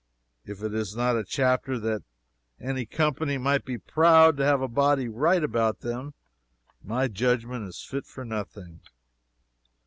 If it is not a chapter that any company might be proud to have a body write about them, my judgment is fit for nothing.